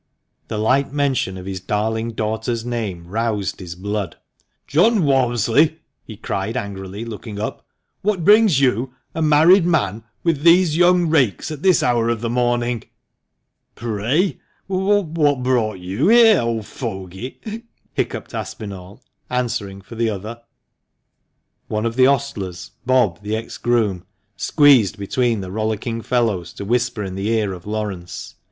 The light mention of his darling daughter's name roused his blood. " John Walmsley," he cried angrily, looking up, " what brings you, a married man, with these young rakes at this hour of the morning ?"" Pray wha at brought y you here, old fogey ?" hiccoughed Aspinall, answering for the other. One of the ostlers — Bob, the ex groom — squeezed between the rollicking fellows to whisper in the ear of Laurence.